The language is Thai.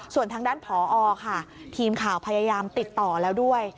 ส่วนทางด้านผอค่ะทีมข่าวพยายามติดต่อแล้วด้วย